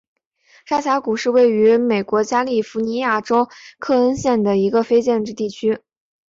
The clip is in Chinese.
沙峡谷是位于美国加利福尼亚州克恩县的一个非建制地区。